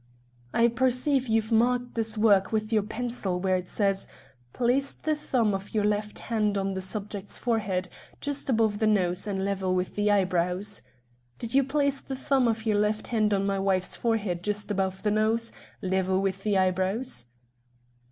"I perceive you've marked this work with your pencil where it says, 'Place the thumb of your left hand on the subject's forehead, just above the nose, and level with the eyebrows.' Did you place the thumb of your left hand on my wife's forehead just above the nose, level with the eyebrows?"